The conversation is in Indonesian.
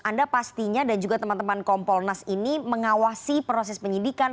anda pastinya dan juga teman teman kompolnas ini mengawasi proses penyidikan